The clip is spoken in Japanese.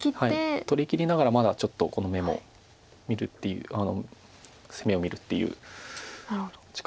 取りきりながらまだちょっとこの眼も見るっていう攻めを見るっていう打ち方。